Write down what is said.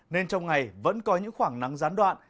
nên trong ngày vẫn có những khoảng nắng gián đoạn